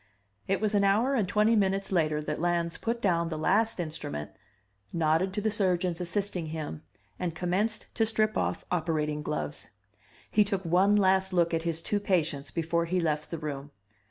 IT WAS AN hour and twenty minutes later that Lans put down the last instrument, nodded to the surgeons assisting him, and commenced to strip off operating gloves. He took one last look at his two patients before he left the room.